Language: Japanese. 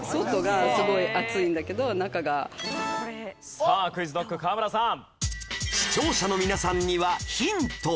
さあＱｕｉｚＫｎｏｃｋ河村さん。